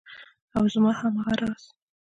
او ما هم هغه ورځ